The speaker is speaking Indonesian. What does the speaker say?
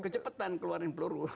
kecepatan keluarin peluru